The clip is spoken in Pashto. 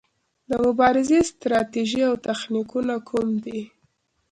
د مبارزې ستراتیژي او تخنیکونه کوم دي؟